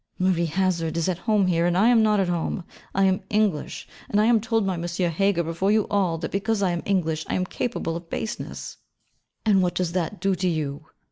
'Marie Hazard is at home here, and I am not at home. I am English; and I am told by M. Heger before you all, that because I am English I am capable of baseness.' 'And what does that do to you?'